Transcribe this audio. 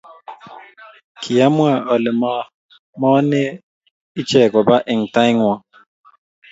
Ki amwa ale ma oone icheek koba eng' taing'wong'.